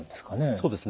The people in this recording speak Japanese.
そうですね。